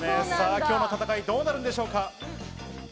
今日の戦いどうなるんでしょうか？